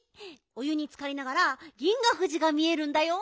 お湯につかりながら銀河富士が見えるんだよ。